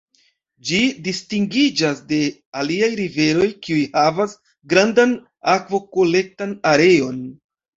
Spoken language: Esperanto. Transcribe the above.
Ĝi distingiĝas de aliaj riveroj, kiuj havas grandan akvokolektan areon.